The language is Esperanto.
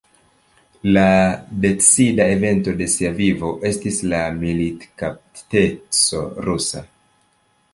La decida evento de sia vivo estis la militkaptiteco rusa.